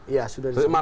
ya sudah disampaikan